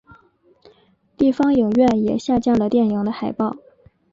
地方影院也下架了电影的海报。